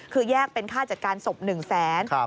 คือแยกเป็นค่าจัดการศพ๑๐๐๐๐๐บาท